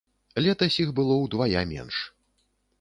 Летась іх было ўдвая менш.